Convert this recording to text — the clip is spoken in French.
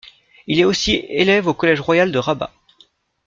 Il est aussi élève au collège royal de Rabat.